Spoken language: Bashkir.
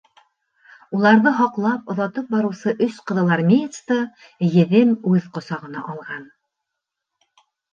Уларҙы һаҡлап, оҙатып барыусы өс ҡыҙылармеецты Еҙем үҙ ҡосағына алған...